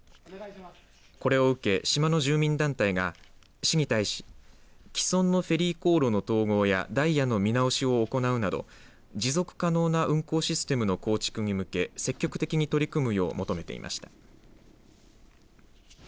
これを受け、島の住民団体が市に対し既存のフェリー航路の統合やダイヤの見直しを行うなど持続可能な運航システムの構築に向け積極的に取り組むよう求めていました。